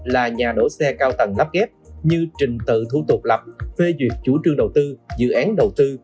là nhà đổ xe cao tầng lắp ghép như trình tự thủ tục lập phê duyệt chủ trương đầu tư dự án đầu tư